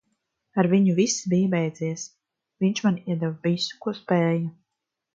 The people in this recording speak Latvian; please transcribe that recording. Ar viņu viss bija beidzies. Viņš man iedeva visu, ko spēja.